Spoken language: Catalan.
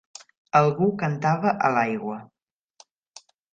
Algú cantava a l'aigua.